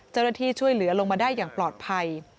เจ้าหน้าที่ช่วยเหลือลงมาได้อย่างปลอดภัย